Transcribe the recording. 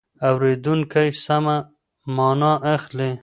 اورېدونکی سمه مانا اخلي.